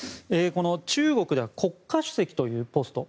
中国では国家主席というポスト